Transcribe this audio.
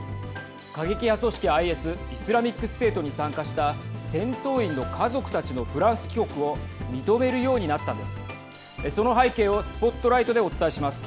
過激派組織ＩＳ＝イスラミックステートに参加した戦闘員の家族たちのフランス帰国を認めるようになったんです。